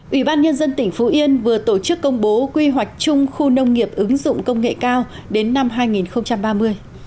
ủy ban nhân dân tỉnh phú yên vừa tổ chức công bố quy hoạch chung khu nông nghiệp ứng dụng công nghệ cao đến năm hai nghìn ba mươi